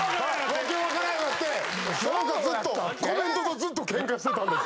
訳わからんようになって何かずっとコメントとずっとケンカしてたんです。